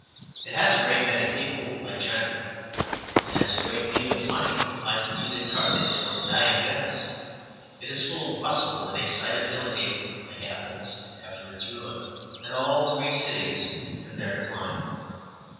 It has a great many people, like China; it has a great deal of money, like defeated Carthage or dying Venice. It is full of bustle and excitability, like Athens after its ruin, and all the Greek cities in their decline.